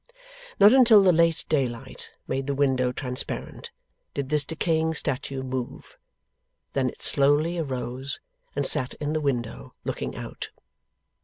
Not until the late daylight made the window transparent, did this decaying statue move. Then it slowly arose, and sat in the window looking out.